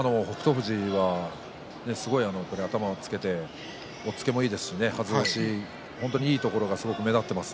富士は頭をつけて押っつけもいいですしねはず押しもいいところが目立っています。